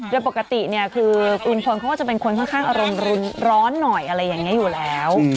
โดยปกติเนี่ยคือลุงพลเขาก็จะเป็นคนค่อนข้างอารมณ์ร้อนหน่อยอะไรอย่างนี้อยู่แล้ว